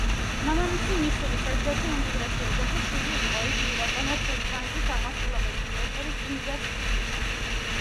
მამამისი მისურის ერთ-ერთი უმდიდრესი ოჯახის შვილი იყო, იგი იყო კომერციული ბანკის აღმასრულებელი დირექტორი კინზას-სიტიში.